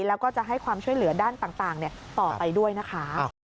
แล้วก็จะให้ความช่วยเหลือด้านต่างต่อไปด้วยนะคะ